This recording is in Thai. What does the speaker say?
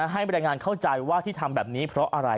บรรยายงานเข้าใจว่าที่ทำแบบนี้เพราะอะไร